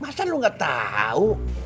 masa lo gak tau